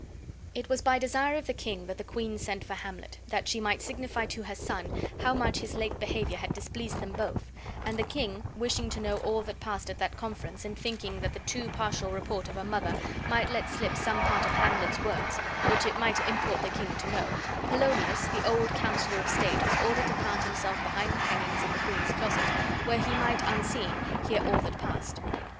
It was by desire of the king that the queen sent for Hamlet, that she might signify to her son how much his late behavior had displeased them both, and the king, wishing to know all that passed at that conference, and thinking that the too partial report of a mother might let slip some part of Hamlet's words, which it might much import the king to know, Polonius, the old counselor of state, was ordered to plant himself behind the hangings in the queen's closet, where he might, unseen, hear all that passed.